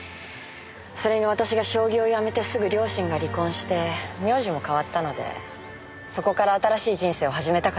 それに私が将棋をやめてすぐ両親が離婚して名字も変わったのでそこから新しい人生を始めたかったんです。